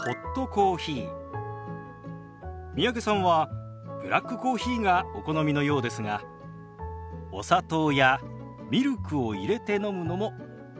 三宅さんはブラックコーヒーがお好みのようですがお砂糖やミルクを入れて飲むのもおすすめです。